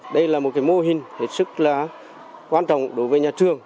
đây là một mô hình rất quan trọng đối với nhà trường